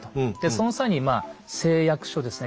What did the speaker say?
その際にまあ誓約書ですね